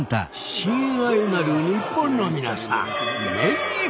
親愛なる日本の皆さん